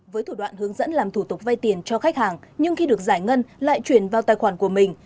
với thủ đoạn hướng dẫn làm thủ tục vay tiền cho khách hàng nhưng khi được giải ngân lại chuyển vào tài khoản của mình